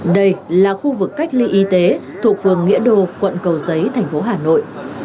đây là khu vực cách ly y tế thuộc phường nghĩa đô quận cầu giấy thành phố hà nội